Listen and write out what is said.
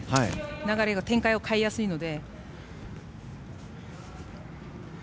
流れ、展開を変えやすいので。